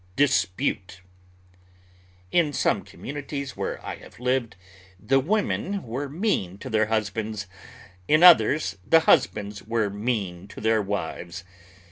IN DISPUTE In some communities where I have lived the women were mean to their husbands; in others, the husbands were mean to their wives.